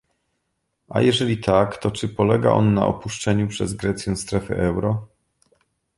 A jeżeli tak, to czy polega on na opuszczeniu przez Grecję strefy euro?